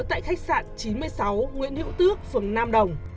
tại khách sạn chín mươi sáu nguyễn hữu tây